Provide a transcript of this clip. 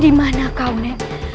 dimana kau nen